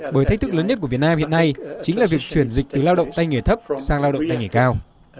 bởi thách thức lớn nhất của việt nam hiện nay chính là việc chuyển dịch từ lao động tay nghề thấp sang lao động tay nghề cao